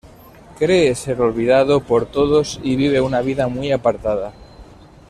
Cree ser olvidado por todos y vive una vida muy apartada.